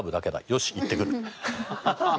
よし行ってくる」。